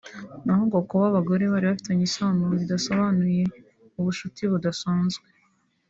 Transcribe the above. naho ngo kuba abagore bari bafitanye isano bidasobanuye ubucuti budasanzwe